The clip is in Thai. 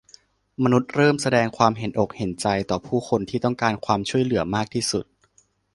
มนุษย์เริ่มแสดงความเห็นอกเห็นใจต่อผู้คนที่ต้องการความช่วยเหลือมากที่สุด